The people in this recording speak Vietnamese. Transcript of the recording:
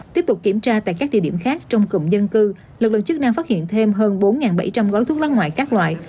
tiếp tục kiểm tra tại các địa điểm khác trong cụm dân cư lực lượng chức năng phát hiện thêm hơn bốn bảy trăm linh gói thuốc lá ngoại các loại